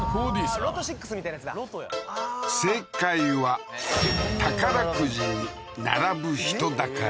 ロトや正解は宝くじに並ぶ人だかり